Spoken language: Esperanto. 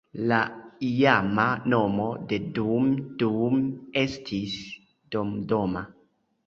La iama nomo de Dum Dum estis "Domdoma".